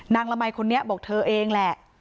ละมัยคนนี้บอกเธอเองแหละ